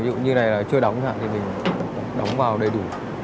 như thế này là chưa đóng thì mình đóng vào đầy đủ